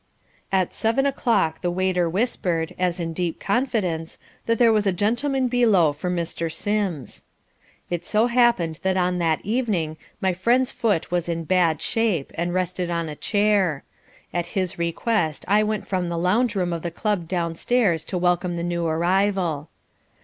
At seven o'clock the waiter whispered, as in deep confidence, that there was a gentleman below for Mr. Sims. It so happened that on that evening my friend's foot was in bad shape, and rested on a chair. At his request I went from the lounge room of the club downstairs to welcome the new arrival.